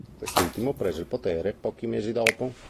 Quest'ultimo prese il potere pochi mesi dopo.